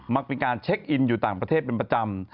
เป็นการเช็คอินอยู่ต่างประเทศเป็นประจำ